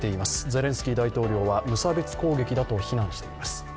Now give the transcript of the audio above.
ゼレンスキー大統領は無差別攻撃だと非難しています。